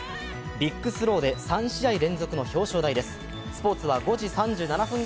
ビッグスローで３試合連続の表彰台です。